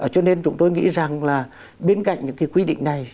cho nên chúng tôi nghĩ rằng là bên cạnh những cái quy định này